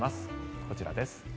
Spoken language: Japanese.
こちらです。